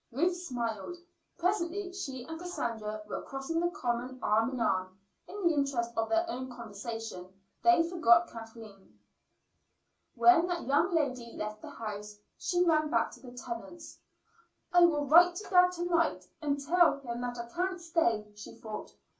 Ruth smiled. Presently she and Cassandra were crossing the common arm in arm. In the interest of their own conversation they forgot Kathleen. When that young lady left the house she ran back to the Tennants'. "I will write to dad to night and tell him that I can't stay," she thought.